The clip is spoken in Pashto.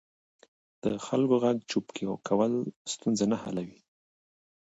د خلکو غږ چوپ کول ستونزې نه حلوي